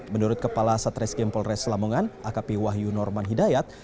menurut kepala satreskrim polres lamongan akp wahyu norman hidayat